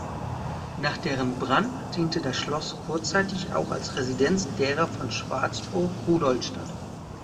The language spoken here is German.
Nach deren Brand diente das Schloss kurzzeitig auch als Residenz derer von Schwarzburg-Rudolstadt.